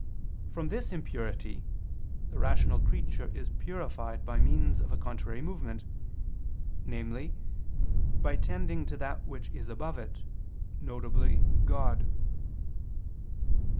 From this impurity the rational creature is purified by means of a contrary movement, namely, by tending to that which is above it, viz. God.